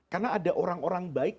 karena ada orang orang baik